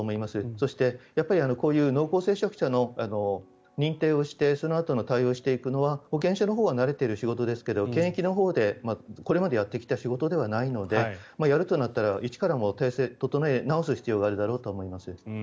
そして、こういう濃厚接触者の認定をしてそのあとの対応をしていくのは保健所のほうは慣れている仕事ですが検疫のほうで、これまでやってきた仕事ではないのでやるとなったら一から体制を整えることになると思います。